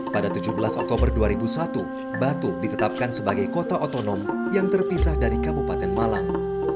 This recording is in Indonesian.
pada tujuh belas oktober dua ribu satu batu ditetapkan sebagai kota otonom yang terpisah dari kabupaten malang